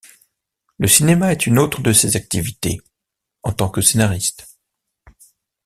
Le cinéma est une autre de ses activités, en tant que scénariste.